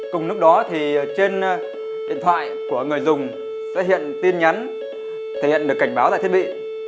cùng lúc đó thì trên điện thoại của người dùng sẽ hiện tin nhắn thể hiện được cảnh báo tại thiết bị